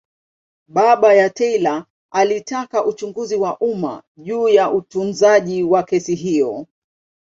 Baba ya Taylor alitaka uchunguzi wa umma juu ya utunzaji wa kesi hiyo.